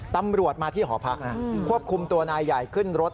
ตำรวจมาที่หอพักนะควบคุมตัวนายใหญ่ขึ้นรถ